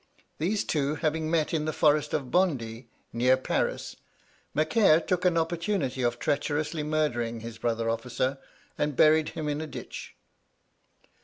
These two having met in the Forest of Bondi, near Paris, Macaire took an opportunity of treacherously murdering his brother officer, and buried him in a ditch.